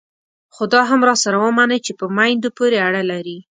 خو دا هم راسره ومنئ چې په میندو پورې اړه لري.